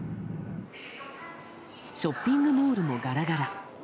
ショッピングモールもガラガラ。